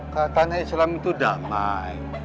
katanya sulam itu damai